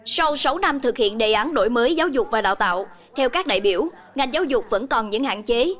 sau sáu năm thực hiện đề án đổi mới giáo dục và đào tạo theo các đại biểu ngành giáo dục vẫn còn những hạn chế